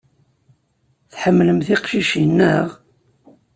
Tḥemmlem tiqcicin, naɣ?